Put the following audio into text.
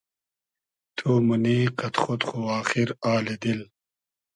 تو مونی قئد خۉد خو آخیر آلی دیل